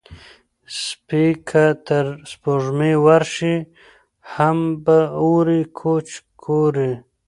سپى که تر سپوږمۍ ورشي، هم به اوري کوچ کورې